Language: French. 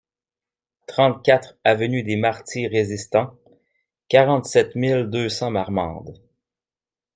trente-quatre avenue des Martyrs Resistanc, quarante-sept mille deux cents Marmande